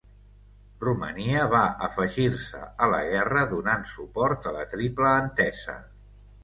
Romania va afegir-se a la guerra, donant suport a la Triple Entesa.